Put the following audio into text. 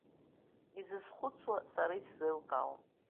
Изызхәыцуа сара исзеилкаауам!